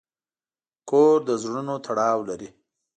کور د زړونو تړاو لري.